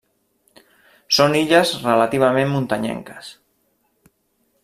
Són illes relativament muntanyenques.